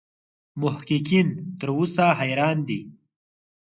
محققین تر اوسه حیران دي.